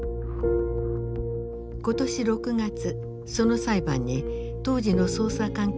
今年６月その裁判に当時の捜査関係者が出廷。